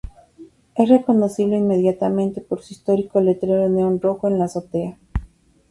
Es reconocible inmediatamente por su histórico letrero de neón rojo en la azotea.